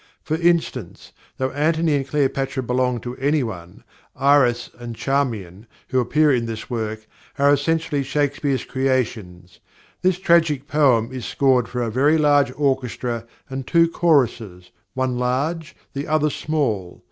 For instance, though Antony and Cleopatra belong to anyone, Iris and Charmian, who appear in this work, are essentially Shakespeare's creations. This "Tragic Poem" is scored for a very large orchestra, and two choruses, one large, the other small.